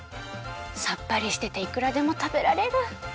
さっぱりしてていくらでもたべられる。